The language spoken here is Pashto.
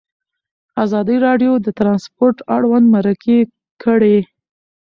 ازادي راډیو د ترانسپورټ اړوند مرکې کړي.